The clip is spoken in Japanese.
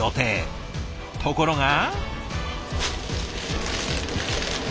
ところが。